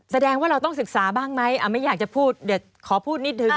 แสดงว่าเราต้องศึกษาบ้างไหมไม่อยากจะพูดเดี๋ยวขอพูดนิดนึง